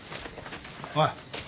おい。